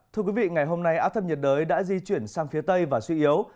thưa quý vị ngày hôm nay áp thấp nhiệt đới đã di chuyển sang phía tây và suy yếu